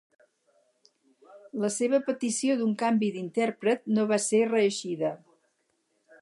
La seva petició d'un canvi d'intèrpret no va ser reeixida.